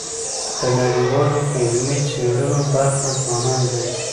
د نړیوالو علمي څيړنو برخه ځوانان دي.